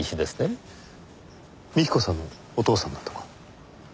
幹子さんのお父さんだとか。